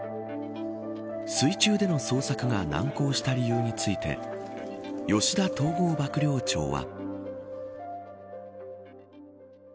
水中での捜索が難航した理由について吉田統合幕僚長は。